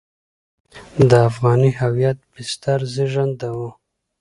د افغاني هویت بستر زېږنده وو.